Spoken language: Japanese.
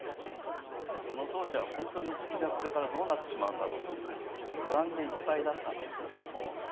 その当時は本当に築地はこれからどうなってしまうんだろうという不安でいっぱいだったんですけども。